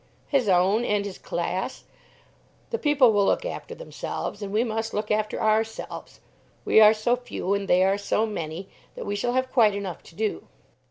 "His own and his class. The people will look after themselves, and we must look after ourselves. We are so few and they are so many, that we shall have quite enough to do."